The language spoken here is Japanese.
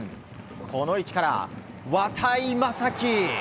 この位置から、渡井理己。